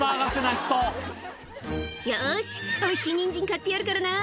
よーし、おいしいニンジン買ってやるからな。